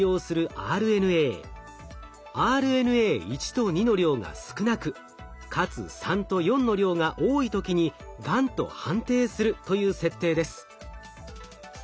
ＲＮＡ１と２の量が少なくかつ３と４の量が多い時にがんと判定するという設定です。